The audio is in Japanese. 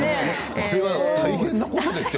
それは大変なことですよ。